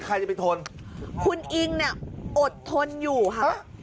ใครจะไปทนคุณอิงเนี่ยอดทนอยู่ค่ะ